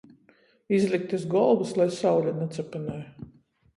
Izlikt iz golvys, lai saule nacapynoj.